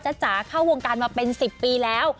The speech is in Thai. จ๋าเข้าวงการมาเป็น๑๐ปีแล้ว